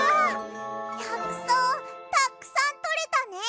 やくそうたくさんとれたね！